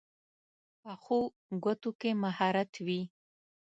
پخو ګوتو کې مهارت وي